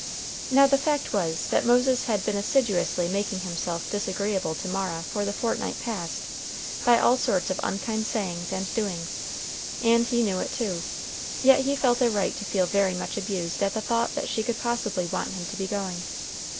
Now the fact was, that Moses had been assiduously making himself disagreeable to Mara for the fortnight past, by all sorts of unkind sayings and doings; and he knew it too; yet he felt a right to feel very much abused at the thought that she could possibly want him to be going.